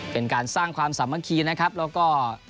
เป็นการสร้างความสามัคคีนะครับแล้วก็